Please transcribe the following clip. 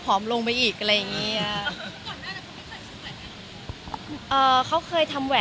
มีปิดฟงปิดไฟแล้วถือเค้กขึ้นมา